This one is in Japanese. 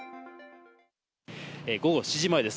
午後７時前です。